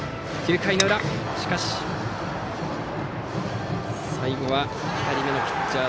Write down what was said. ９回の裏しかし最後は２人目のピッチャー